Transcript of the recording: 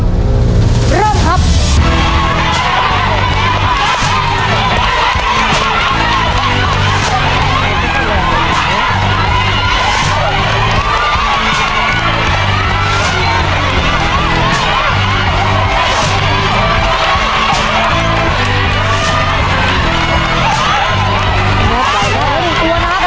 ครอบครัวของแม่ปุ้ยจังหวัดสะแก้วนะครับ